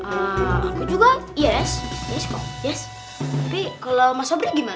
aku juga yes yes kok yes tapi kalau mas obra gimana